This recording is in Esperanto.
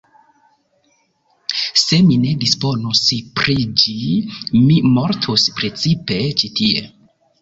Se mi ne disponus pri ĝi, mi mortus, precipe ĉi tie.